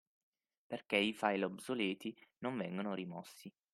Perché i file obsoleti non vengono rimossi